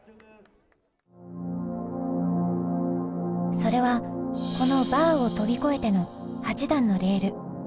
それはこのバーを飛び越えての８段のレール。